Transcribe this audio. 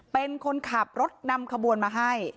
เป็นคนขับรถนำขบวนมาให้